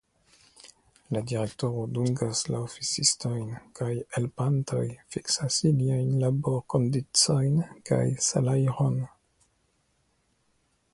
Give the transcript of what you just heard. La Direktoro dungas la oficistojn kaj helpantojn, fiksas iliajn laborkondiĉojn kaj salajrojn.